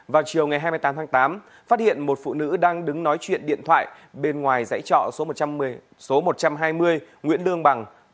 vào chiều ngày hai mươi tám tháng tám phát hiện một phụ nữ đang đứng nói chuyện điện thoại bên ngoài dãy trọ số một trăm hai mươi nguyễn lương bằng